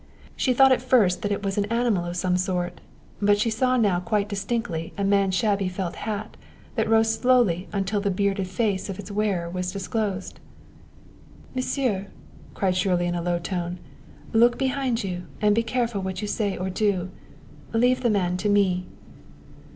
She thought at first that it was an animal of some sort; but she saw now quite distinctly a man's shabby felt hat that rose slowly until the bearded face of its wearer was disclosed. "Monsieur!" cried Shirley in a low tone; "look behind you and be careful what you say or do. Leave the man to me."